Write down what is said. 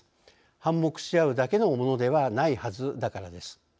反目しあうだけのものではないはずだからです。